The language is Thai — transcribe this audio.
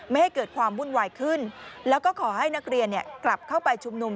ไม่ให้เกิดความวุ่นวายขึ้นแล้วก็ขอให้นักเรียนกลับเข้าไปชุมนุม